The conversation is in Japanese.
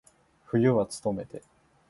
冬はつとめて。